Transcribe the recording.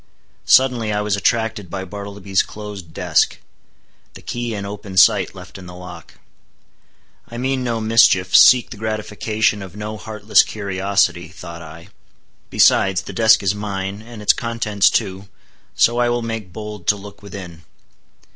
Suddenly I was attracted by Bartleby's closed desk, the key in open sight left in the lock. I mean no mischief, seek the gratification of no heartless curiosity, thought I; besides, the desk is mine, and its contents too, so I will make bold to look within.